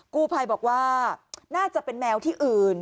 กู้ภัยบอกว่าน่าจะเป็นแมวที่อื่น